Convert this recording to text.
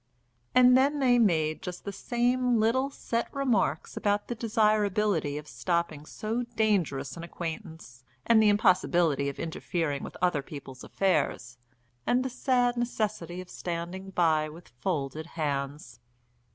And then they made just the same little set remarks about the desirability of stopping so dangerous an acquaintance, and the impossibility of interfering with other people's affairs, and the sad necessity of standing by with folded hands.